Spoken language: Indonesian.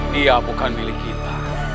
dia bukan milik kita